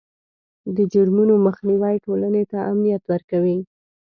د جرمونو مخنیوی ټولنې ته امنیت ورکوي.